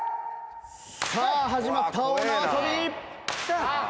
さあ始まった大縄跳び！